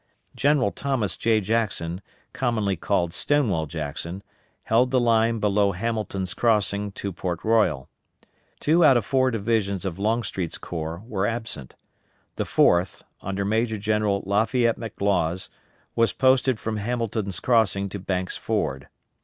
General Thomas J. Jackson, commonly called Stonewall Jackson, held the line below Hamilton's crossing to Port Royal. Two out of four divisions of Longstreet's corps were absent. The fourth, under Major General Lafayette McLaws, was posted from Hamilton's crossing to Banks' Ford.